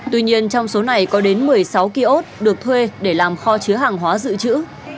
tuy nhiên trong số này có đến một mươi sáu kiosk được thuê để làm kho chứa hàng hóa dự trữ